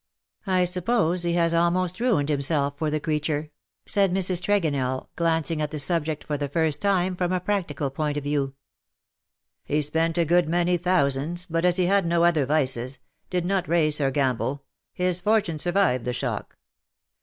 '' I suppose he has almost ruined himself for the creature/' said Mrs. Tregonell, glancing at the subject for the first time from a practical point of view. " He spent a good many thousands, but as he had no other vices — did not race or gamble — his fortune survived the shock.